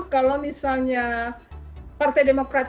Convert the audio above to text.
kalau misalnya partai demokrat